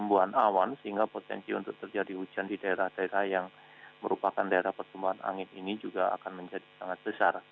pertumbuhan awan sehingga potensi untuk terjadi hujan di daerah daerah yang merupakan daerah pertumbuhan angin ini juga akan menjadi sangat besar